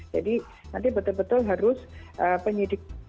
jadi nanti betul betul harus penyidik